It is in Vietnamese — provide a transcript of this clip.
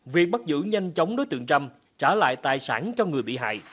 việc bắt giữ nhanh chóng đối tượng trâm trả lại tài sản cho người bị hại